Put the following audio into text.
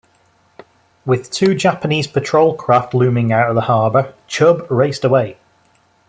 With two Japanese patrol craft looming out of the harbor, "Chub" raced away.